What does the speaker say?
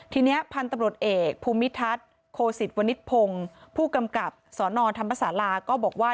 ทีนี้พันธุ์ตำรวจเอกภูมิทัศน์โคสิตวณิตพงศ์ผู้กำกับสนธรรมศาลาก็บอกว่า